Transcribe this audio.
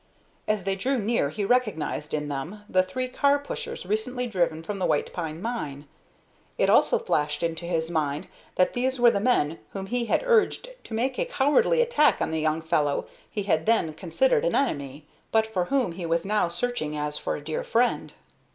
As they drew near he recognized in them the three car pushers recently driven from the White Pine Mine. It also flashed into his mind that these were the men whom he had urged to make a cowardly attack on the young fellow he had then considered an enemy, but for whom he was now searching as for a dear friend.